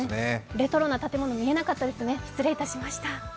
レトロな建物見えなかったですね、失礼しました。